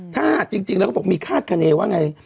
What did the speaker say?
ถ้าจริงแล้วก็บอกมีคาดคณีว่าไง